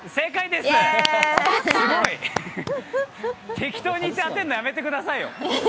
適当に当てるのやめてくださいよ。